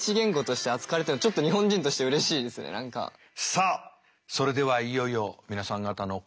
さあそれではいよいよ皆さん方の答えをですね